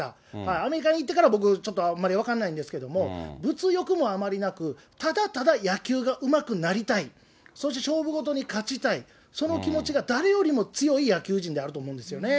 アメリカに行ってから、僕、ちょっとあんまり分かんないんですけど、物欲もあまりなく、ただただ野球がうまくなりたい、そして勝負ごとに勝ちたい、その気持ちが誰よりも強い野球人であると思うんですよね。